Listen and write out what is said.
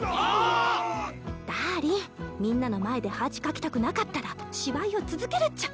ダーリンみんなの前で恥かきたくなかったら芝居を続けるっちゃ。